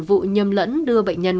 vụ nhầm lẫn đưa bệnh nhân